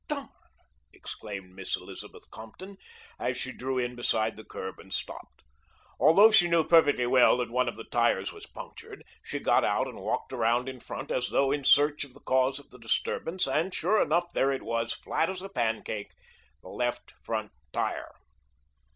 "Darn!" exclaimed Miss Elizabeth Compton as she drew in beside the curb and stopped. Although she knew perfectly well that one of the tires was punctured, she got out and walked around in front as though in search of the cause of the disturbance, and sure enough, there it was, flat as a pancake, the left front tire.